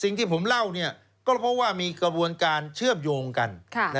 สิ่งที่ผมเล่าก็เพราะว่ามีกระบวนการเชื่อมโยงกัน